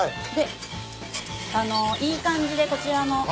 でいい感じでこちらの。